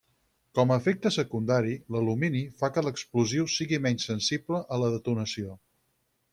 Com a efecte secundari, l'alumini fa que l'explosiu sigui menys sensible a la detonació.